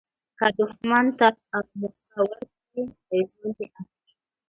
که دوښمن ته موکه ورکړي، ژوند دي اخلي.